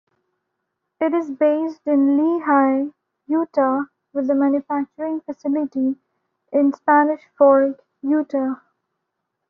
It is based in Lehi, Utah, with a manufacturing facility in Spanish Fork, Utah.